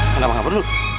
kenapa nggak perlu